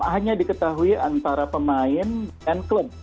hanya diketahui antara pemain dan klub